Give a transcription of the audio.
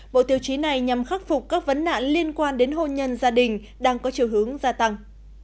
bộ tiêu chí này nhằm khắc phục các vấn nạn liên quan đến hôn nhân gia đình đang có chiều hướng gia tăng